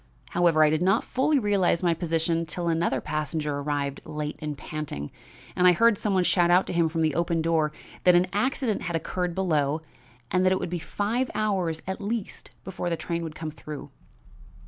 However, I did not fully realize my position till another passenger arrived late and panting, and I heard some one shout out to him from the open door that an accident had occurred below and that it would be five hours at least before the train would come through.